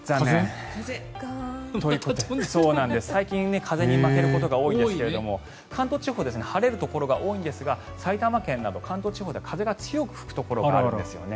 最近風に負けることが多いですが関東地方、晴れるところが多いんですが埼玉県など関東地方では風が強く吹くところがあるんですね。